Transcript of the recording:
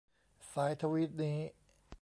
สายทวีตนี้